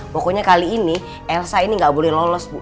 pokoknya kali ini elsa ini nggak boleh lolos bu